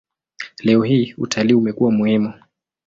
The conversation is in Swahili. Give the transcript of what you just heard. Leo hii utalii umekuwa muhimu.